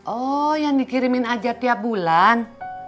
oh yang dikirimin aja tiap bulan